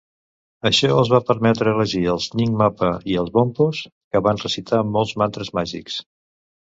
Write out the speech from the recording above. Això els va permetre elegir els Nyingmapa i els Bonpos, que van recitar molts mantres màgics.